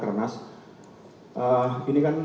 pertama masih terkait rakernas pertama masih terkait rakernas